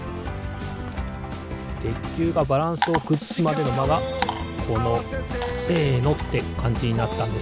てっきゅうがバランスをくずすまでのまがこの「せの！」ってかんじになったんですね。